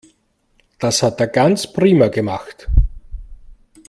Das hat er ganz prima gemacht.